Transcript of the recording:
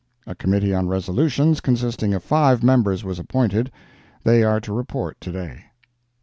A Committee on Resolutions, consisting of five members, was appointed. They are to report to day.